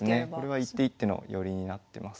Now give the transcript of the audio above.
これは一手一手の寄りになってます。